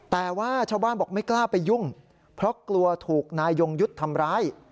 แต่ว่าชาวบ้านบอกไม่กล้าไปยุ่งเพราะกลัวถูกนายยงยุทธ์ทำร้าย